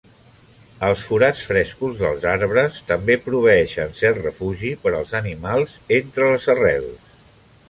Els forats frescos dels arbres també proveeixen cert refugi per als animals entre les arrels.